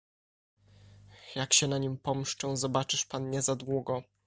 "Jak się na nim pomszczę, zobaczysz pan niezadługo."